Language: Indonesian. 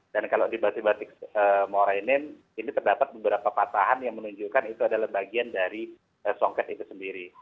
dan kalau di batik batik morenin ini terdapat beberapa patahan yang menunjukkan itu adalah bagian dari songket itu sendiri